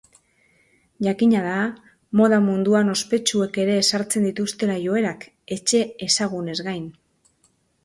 Jakina da moda munduan ospetsuek ere ezartzen dituztela joerak, etxe ezagunez gain.